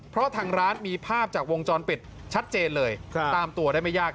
เพราะทางร้านมีภาพจากวงจรปิดชัดเจนเลยตามตัวได้ไม่ยาก